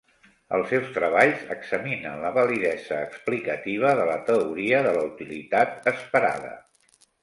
Els seus treballs examinen la validesa explicativa de la teoria de la utilitat esperada.